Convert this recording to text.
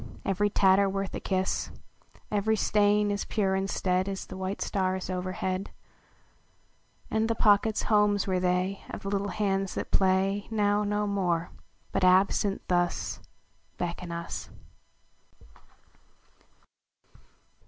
Every tatter worth a kiss ; Every stain as pure instead As the white stars overhead : And the pockets homes were they Of the little hands that play Now no more hut, absent, thus Beckon us.